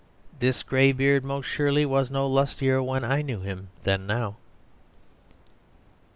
This grey beard most surely was no lustier when I knew him than now."